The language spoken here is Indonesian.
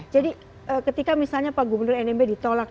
jadi ketika misalnya pak gubernur nmb ditolak